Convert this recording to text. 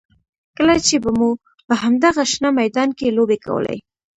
کله چې به مو په همدغه شنه میدان کې لوبې کولې.